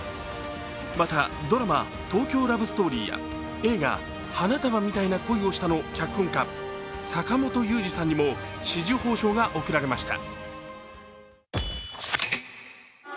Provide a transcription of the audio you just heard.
またドラマ「東京ラブストーリー」や映画「花束みたいな恋をした」の脚本家・坂元裕二さんにも紫綬褒章が贈られました。